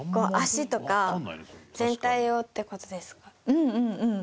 うんうんうん。